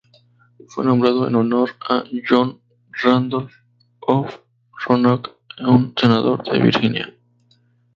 Fue nombrado en honor a John Randolph of Roanoke, un senador de Virginia.